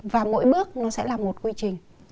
và mỗi bước nó sẽ là một quy trình